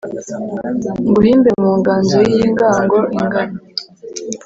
Nguhimbe mu nganzo y'ingango ingana